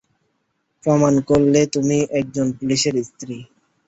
প্রমাণ করলে তুমি একজন পুলিশের স্ত্রী।